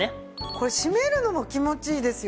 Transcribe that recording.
これしめるのも気持ちいいですよね。